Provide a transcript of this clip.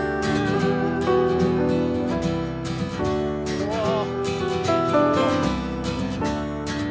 うわあ。